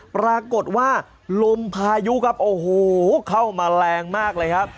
ปรากฏว่าลมพายุครับโอ้โหเข้ามาแรงมากเลยครับ